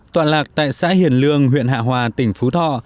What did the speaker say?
toạn lạc tại xã hiển lương huyện hạ hòa tỉnh phú thọ